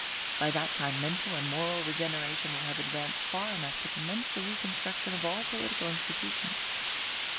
By that time mental and moral regeneration will have advanced far enough to commence the reconstruction of all political institutions.